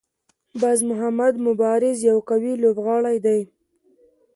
باز محمد مبارز یو قوي لوبغاړی دی.